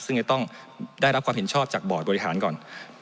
ซึ่งจะต้องได้รับความเห็นชอบจากบอร์ดบริหารก่อน